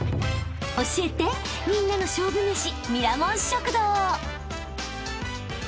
［教えてみんなの勝負めし］